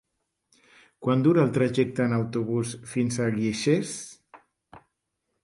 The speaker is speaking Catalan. Quant dura el trajecte en autobús fins a Guixers?